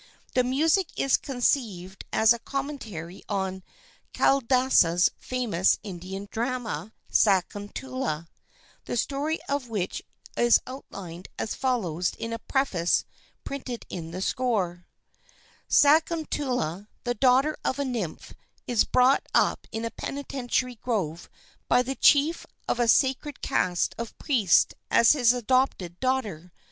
The music is conceived as a commentary on Kalidassa's famous Indian drama, "Sakuntala," the story of which is outlined as follows in a preface printed in the score: "Sakuntala, the daughter of a nymph, is brought up in a penitentiary grove by the chief of a sacred caste of priests as his adopted daughter.